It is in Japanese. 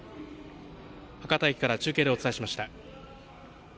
博多駅から中継でお伝えしました。